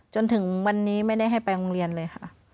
จนถึงวันนี้ไม่ได้ให้ไปโรงเรียนเลยค่ะ